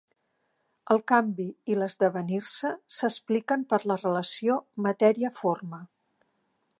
El canvi i l'esdevenir-se s'expliquen per la relació matèria-forma